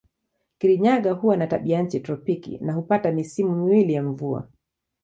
Kirinyaga huwa na tabianchi tropiki na hupata misimu miwili ya mvua.